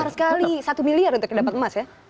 besar sekali satu miliar untuk mendapat emas ya